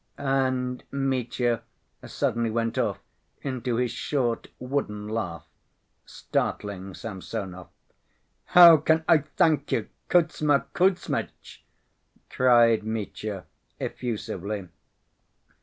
And Mitya suddenly went off into his short, wooden laugh, startling Samsonov. "How can I thank you, Kuzma Kuzmitch?" cried Mitya effusively.